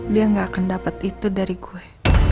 dia gak akan dapat itu dari gue